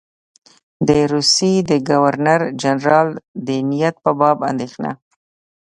د روسیې د ګورنر جنرال د نیت په باب اندېښنه.